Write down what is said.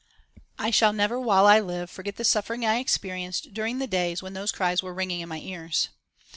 I shall never while I live forget the suffering I experienced during the days when those cries were ringing in my ears.